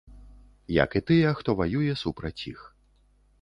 Як і тыя, хто ваюе супраць іх.